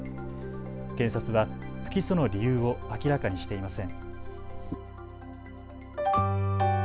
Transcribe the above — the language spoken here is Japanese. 検察は不起訴の理由を明らかにしていません。